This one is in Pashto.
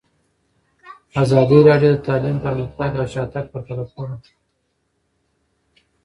ازادي راډیو د تعلیم پرمختګ او شاتګ پرتله کړی.